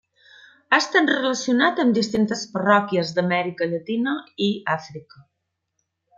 Ha estat relacionat amb distintes parròquies d'Amèrica Llatina i Àfrica.